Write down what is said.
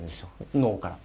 脳から。